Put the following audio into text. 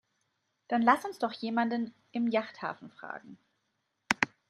Dann lass uns doch jemanden im Yachthafen fragen.